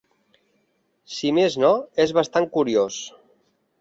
Si més no, és bastant curiós.